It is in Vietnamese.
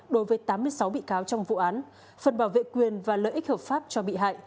đối với tám mươi sáu bị cáo trong vụ án phần bảo vệ quyền và lợi ích hợp pháp cho bị hại